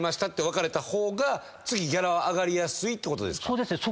そうですね。